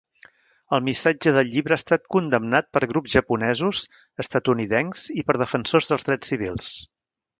El missatge del llibre ha estat condemnat per grups japonesos estatunidencs i per defensors dels drets civils.